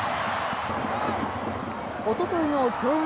おとといの強豪